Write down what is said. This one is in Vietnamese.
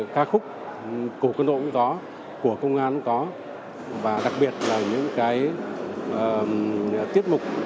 các khúc của quân đội cũng có của công an cũng có và đặc biệt là những cái tiết mục